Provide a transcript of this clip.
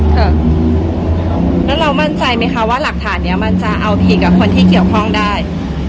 แล้วเรามั่นใจไหมคะว่าหลักฐานนี้มันจะเอาผิดกับคนที่เกี่ยวข้องได้